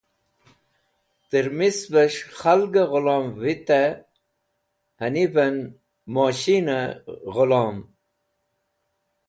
Tẽrmisvẽs̃h khalgẽ ghẽlom vitẽ invẽn moshinẽ g̃hẽlom.